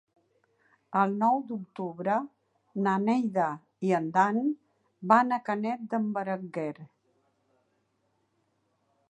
El nou d'octubre na Neida i en Dan van a Canet d'en Berenguer.